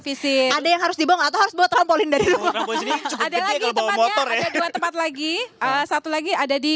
visit ada yang harus dibawa atau harus bawa trampolin dari rumah ada lagi tempat lagi satu lagi ada di